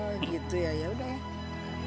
oh gitu ya yaudah ya